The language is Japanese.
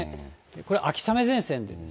これ、秋雨前線です。